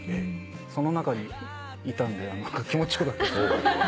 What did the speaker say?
その中にいたんで気持ち良かったです。